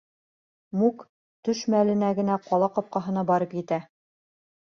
Мук төш мәленә генә ҡала ҡапҡаһына барып етә.